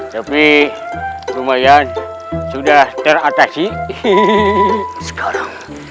tapi lumayan sudah teratasi sekarang